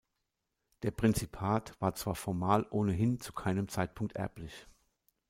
Der Prinzipat war zwar formal ohnehin zu keinem Zeitpunkt erblich.